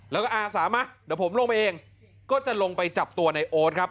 แล้วก็อาสามาเดี๋ยวผมลงไปเองก็จะลงไปจับตัวในโอ๊ตครับ